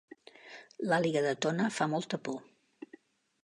L'àliga de Tona fa molta por